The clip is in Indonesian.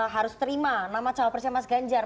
harus terima nama cowok presiden mas ganjar